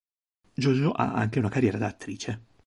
JoJo ha anche una carriera da attrice.